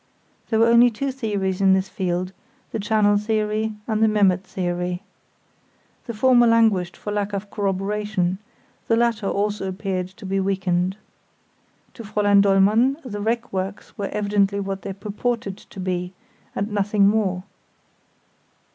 There were only two theories in the field, the channel theory and the Memmert theory. The former languished for lack of corroboration; the latter also appeared to be weakened. To Fräulein Dollmann the wreck works were evidently what they purported to be, and nothing more.